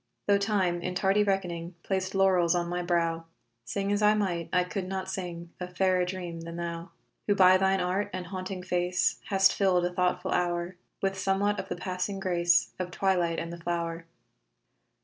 Tho' time, in tardy reckoning, Placed laurels on my brow, Sing as I might, I could not sing A fairer dream than thou Who by thine art and haunting face Hast filled a thoughtful hour With somewhat of the passing grace Of twilight and the flow'r.